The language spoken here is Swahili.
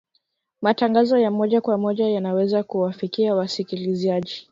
matangazo ya moja kwa moja yanaweza kuwafikia wasikilizaji